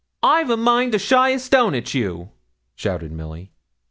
'I've a mind to shy a stone at you,' shouted Milly.